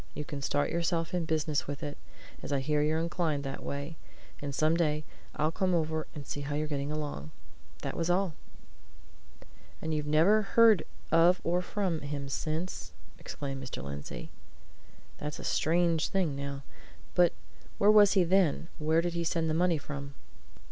'You can start yourself in business with it, as I hear you're inclined that way, and some day I'll come over and see how you're getting along.' That was all!" "And you've never heard of or from him since?" exclaimed Mr. Lindsey. "That's a strange thing, now. But where was he then? Where did he send the money from?"